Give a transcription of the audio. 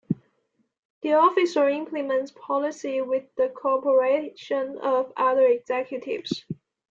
The officer implements policy with the cooperation of other executives.